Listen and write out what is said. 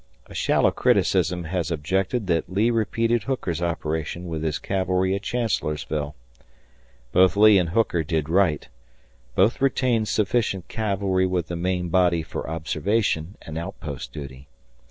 A shallow criticism has objected that Lee repeated Hooker's operation with his cavalry at Chancellorsville. Both Lee and Hooker did right; both retained sufficient cavalry with the main body for observation and outpost duty.